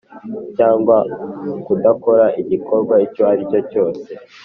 Cyangwa kudakora igikorwa icyo aricyo cyose